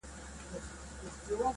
پخوانیو زمانو کي یو دهقان وو!.